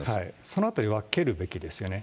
そのあたり、分けるべきですよね。